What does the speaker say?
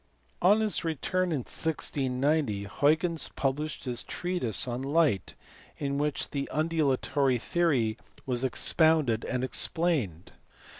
On his return in 1690 Huygens published his treatise on light in which the undulatory theory was expounded and ex plained.